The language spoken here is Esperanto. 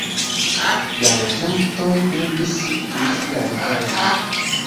La loĝantoj devis uzi la riveron.